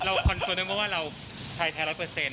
เราคอนเฟอร์นึกว่าเราใช้แท้๑๐๐